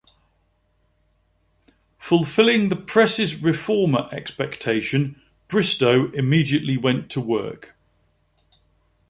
Fulfilling the press's reformer expectation, Bristow immediately went to work.